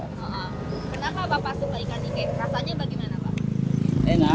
kenapa bapak suka ikan ike rasanya bagaimana bapak